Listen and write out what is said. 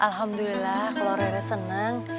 alhamdulillah kalau rere seneng